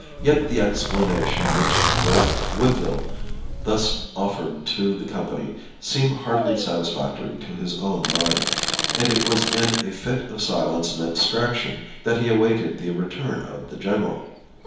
Yet the explanation which Lord Woodville thus offered to the company seemed hardly satisfactory to his own mind, and it was in a fit of silence and abstraction that he awaited the return of the general.